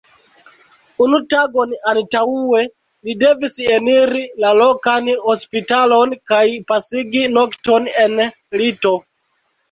Unu tagon antaŭe li devis eniri la lokan hospitalon kaj pasigi nokton en lito.